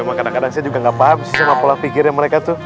emang kadang kadang saya juga nggak paham sih sama pola pikirnya mereka tuh